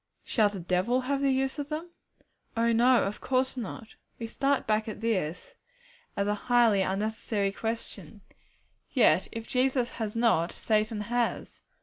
Shall 'the devil' have the use of them? Oh no, of course not! We start back at this, as a highly unnecessary question. Yet if Jesus has not, Satan has.